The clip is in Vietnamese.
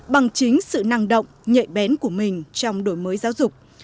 bằng chính sự năng động nhạy bén của mình trong đổi mới giáo dục